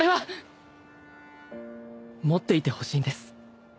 持っていてほしいんです。